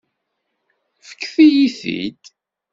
Fket-iyi-t-id.